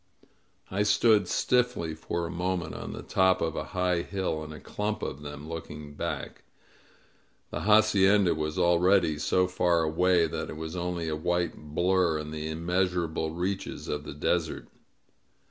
I stood stiffly for a moment on the top of a high hill, in a clump of them, looking back. The hacienda was already so far away that it was only a white blur in the immeasurable reaches of the desert.